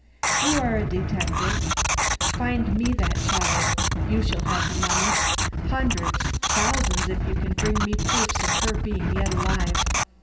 You are a detective. Find me that child. You shall have money hundreds thousands if you can bring me proofs of her being yet alive.